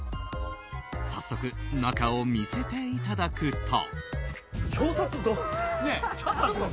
早速、中を見せていただくと。